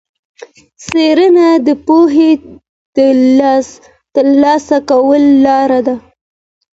څېړنه د پوهي د ترلاسه کولو لاره ده.